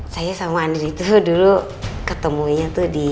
saya sama andri tuh dulu ketemunya tuh di